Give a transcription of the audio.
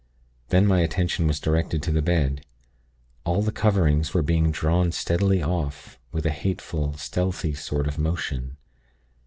Then my attention was directed to the bed. All the covering's were being drawn steadily off, with a hateful, stealthy sort of motion.